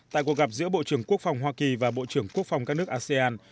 tại cuộc gặp giữa bộ trưởng quốc phòng hoa kỳ và bộ trưởng quốc phòng các nước asean